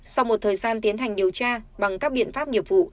sau một thời gian tiến hành điều tra bằng các biện pháp nghiệp vụ